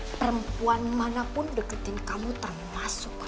terempuan mana pun deketin kamu termasuk reva